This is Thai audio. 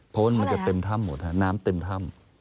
เพราะว่ามันจะเต็มถ้ำหมดฮะน้ำเต็มถ้ำ